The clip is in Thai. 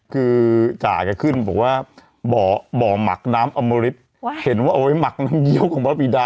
คือจ่าแกขึ้นบอกว่าบ่อหมักน้ำอมริตเห็นว่าเอาไว้หมักน้ำเยี้ยวของพระบิดา